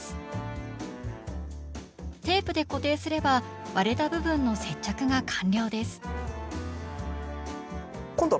テープで固定すれば割れた部分の接着が完了です。